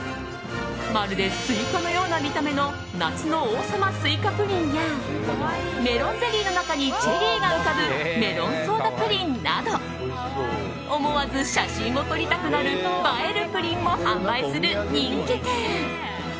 まるでスイカのような見た目の夏の王様すいかプリンやメロンゼリーの中にチェリーが浮かぶメロンソーダプリンなど思わず写真を撮りたくなる映えるプリンも販売する人気店。